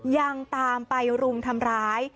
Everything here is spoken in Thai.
ยังตามไปรุมทำร้าย